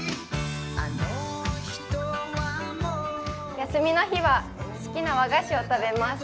休みの日は好きな和菓子を食べます。